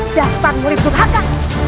dasar murid duhaka